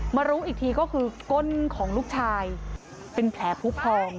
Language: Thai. รู้อีกทีก็คือก้นของลูกชายเป็นแผลผู้พอง